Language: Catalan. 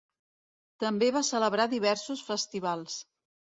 També va celebrar diversos festivals.